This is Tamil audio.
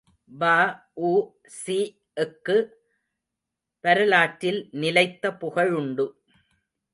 வ.உ.சி.க்கு வரலாற்றில் நிலைத்த புகழுண்டு.